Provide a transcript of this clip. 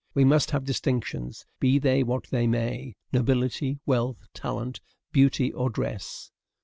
We must have distinctions, be they what they may, nobility, wealth, talent, beauty, or dress.